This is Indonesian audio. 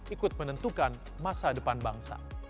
ikut menentukan masa depan bangsa